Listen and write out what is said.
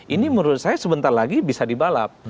ini menurut saya sebentar lagi bisa dibalap